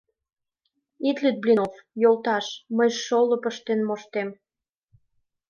— Ит лӱд, Блинов... йолташ, мый шолып ыштен моштем...